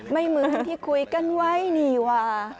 ไม่เหมือนที่คุยกันไว้นี่ว่า